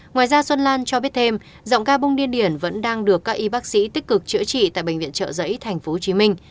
ngoài ra xuân lan cho biết thêm giọng ca bông điên điển vẫn đang được các y bác sĩ tích cực chữa trị tại bệnh viện trợ giấy tp hcm